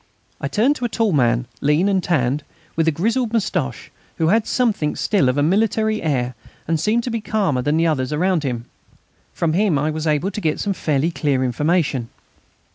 I turned to a tall man, lean and tanned, with a grizzled moustache, who had something still of a military air, and seemed to be calmer than the others around him. From him I was able to get some fairly clear information.